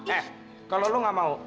eh kalau lo gak mau